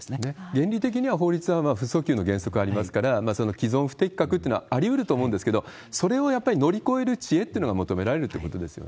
原理的には法律は不遡及の原則がありますから、その既存不適格というのはありうると思うんですけど、それをやっぱり乗り越える知恵というのが求められるってことです